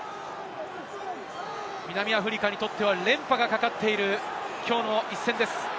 南アフリカにとっては連覇がかかっている、きょうの一戦です。